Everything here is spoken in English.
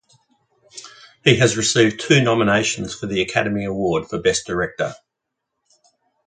He has received two nominations for the Academy Award for Best Director.